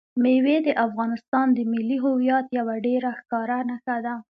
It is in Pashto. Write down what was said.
مېوې د افغانستان د ملي هویت یوه ډېره ښکاره نښه ده.